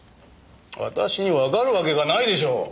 私にわかるわけがないでしょう！